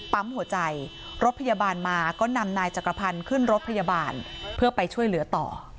หัวใจรถพยาบาลมาก็นำนายจักรพันธ์ขึ้นรถพยาบาลเพื่อไปช่วยเหลือต่อ